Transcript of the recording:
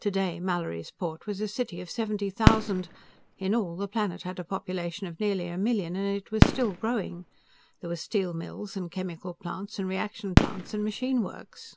Today, Mallorysport was a city of seventy thousand; in all, the planet had a population of nearly a million, and it was still growing. There were steel mills and chemical plants and reaction plants and machine works.